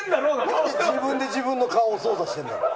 何で自分で自分の顔を操作してるんだろ？